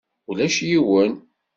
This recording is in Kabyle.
Ulac yiwen.